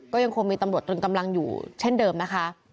ก็ยังคงมีตำรวจตรึงกำลังอยู่เช่นเดิมนะคะ